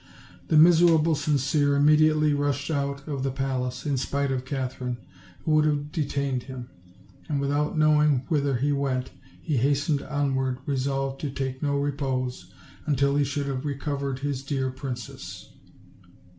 The miserable Sincere immediately rushed out of the palace, in spite of Katherine, who would have detained him; and without knowing whither he went, he hastened onward, resolved to take no repose until he should have recovered his dear princess.